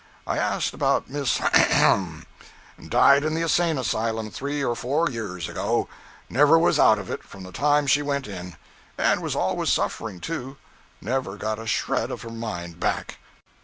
I asked about Miss . Died in the insane asylum three or four years ago never was out of it from the time she went in; and was always suffering, too; never got a shred of her mind back.'